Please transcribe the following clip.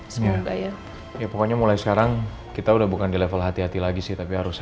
semoga ya pokoknya mulai sekarang kita udah bukan di level hati hati lagi sih tapi harusnya